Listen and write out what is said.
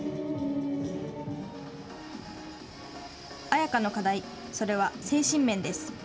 彩夏の課題、それは精神面です。